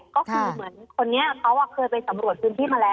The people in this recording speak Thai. ก็คือเหมือนคนนี้เขาเคยไปสำรวจพื้นที่มาแล้ว